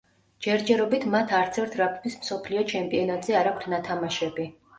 ჯერჯერობით მათ არცერთ რაგბის მსოფლიო ჩემპიონატზე არ აქვთ ნათამაშები.